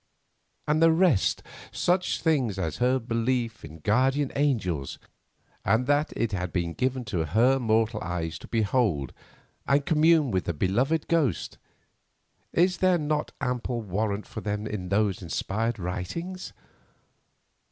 And the rest, such things as her belief in guardian angels, and that it had been given to her mortal eyes to behold and commune with a beloved ghost, is there not ample warrant for them in those inspired writings?